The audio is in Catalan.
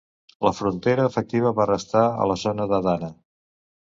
La frontera efectiva va restar a la zona d'Adana.